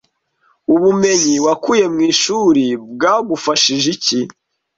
Ubumenyi wakuye mu ishuri bwagufashije iki